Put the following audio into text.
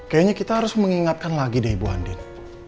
kayaknya kita harus mengingatkan lagi deh ibu andin